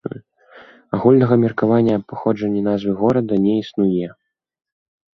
Агульнага меркавання аб паходжанні назвы горада не існуе.